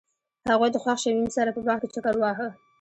هغوی د خوښ شمیم سره په باغ کې چکر وواهه.